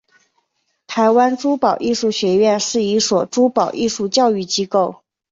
台湾珠宝艺术学院是一所珠宝艺术教育机构。